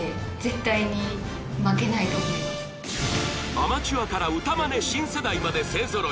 ［アマチュアから歌まね新世代まで勢揃い］